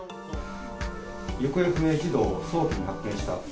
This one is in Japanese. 行方不明児童を早期に発見した。